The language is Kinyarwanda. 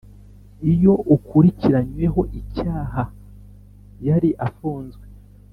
Iyo ukurikiranyweho icyaha yari afunzwe